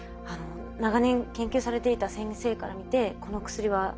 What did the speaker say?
長年研究されていた先生から見てこの薬はどうですか？